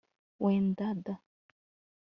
Wenda da